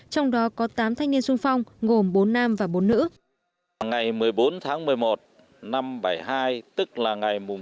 trong đó có tám thanh niên sung phong gồm bốn nam và bốn nữ